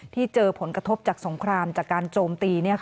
เจอผลกระทบจากสงครามจากการโจมตี